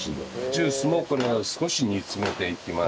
ジュースもこのように少し煮詰めていきます。